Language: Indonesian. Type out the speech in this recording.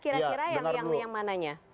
kira kira yang mananya